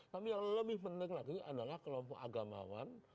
tapi yang lebih penting lagi adalah kelompok agamawan